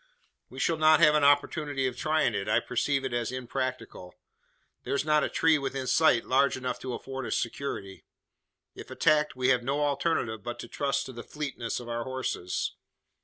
"We shall not have an opportunity of trying it, I perceive it is impracticable. There's not a tree within sight large enough to afford us security. If attacked, we have no alternative but to trust to the fleetness of our horses.